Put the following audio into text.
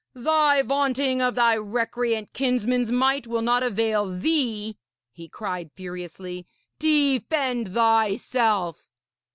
'Thy vaunting of thy recreant kinsman's might will not avail thee,' he cried furiously. 'Defend thyself!'